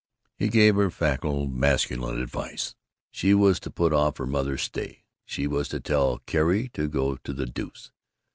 He gave her facile masculine advice. She was to put off her mother's stay. She was to tell Carrie to go to the deuce.